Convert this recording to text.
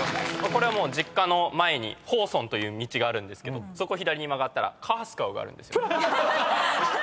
これは実家の前にホーソンという道があるんですけどそこ左に曲がったらＣＯＳＴＣＯがあるんですよ。